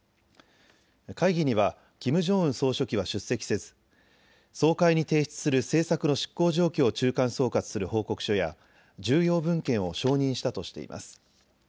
会議にはキム・ジョンウン総書記は出席せず総会に提出する政策の執行状況を中間総括する報告書や重要文献を承認したとしています。